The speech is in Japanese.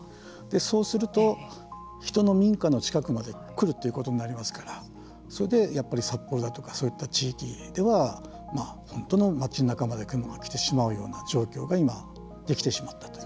そうすると、人の民家の近くまで来るということになりますからそれで、やっぱり札幌だとかそういった地域では本当の町なかまでクマが来てしまうような状況が今、できてしまったと。